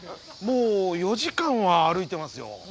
もう４時間は歩いてますよ。